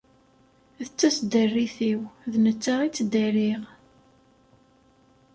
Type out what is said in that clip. D taseddarit-iw, d netta i ttdariɣ.